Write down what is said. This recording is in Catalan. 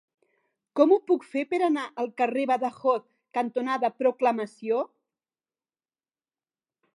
Com ho puc fer per anar al carrer Badajoz cantonada Proclamació?